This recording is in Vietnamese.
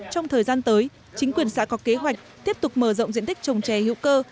trong thời gian tới chính quyền xã có kế hoạch tiếp tục mở rộng diện tích trồng chè hữu cơ